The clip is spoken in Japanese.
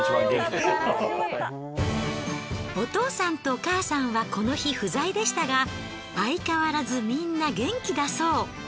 お父さんとお母さんはこの日不在でしたが相変わらずみんな元気だそう。